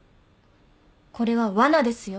これはわなですよ。